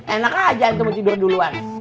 enak aja untuk tidur duluan